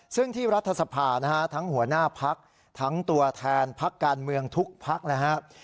ซึ่งที่รัฐสภานะฮะทั้งหัวหน้าพักทั้งตัวแทนพักการเมืองทุกพักนะครับ